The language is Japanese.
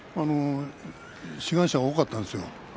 志願者が多かったんですよ。